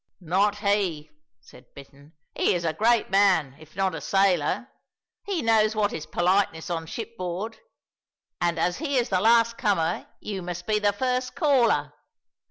"Not he," said Bittern. "He is a great man, if not a sailor; he knows what is politeness on shipboard, and as he is the last comer you must be the first caller.